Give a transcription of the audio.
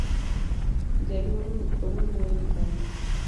Jaduong' ni koro wuoyo kende.